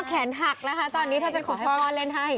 พ่อแขนหักนะคะตอนนี้ถ้าเป็นคุณพ่อเล่นให้